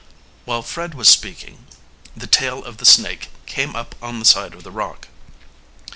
While Fred was speaking the tail of the snake came up on the side of the rock.